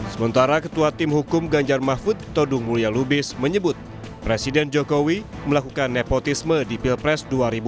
sementara ketua tim hukum ganjar mahfud todung mulya lubis menyebut presiden jokowi melakukan nepotisme di pilpres dua ribu dua puluh